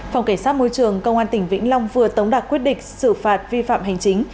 phòng cảnh sát môi trường công an tỉnh vĩnh long vừa tống đạt quyết định xử phạt vi phạm hành chính